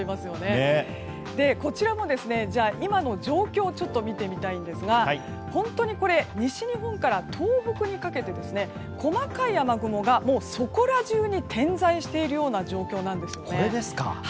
今の状況を見てみたいんですが西日本から東北にかけて細かい雨雲がそこら中に点在しているような状況です。